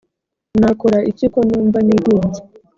nakora iki ko numva nigunze